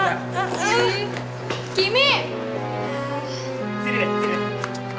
sini deh sini deh